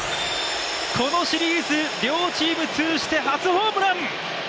このシリーズ、両チーム通じて初ホームラン！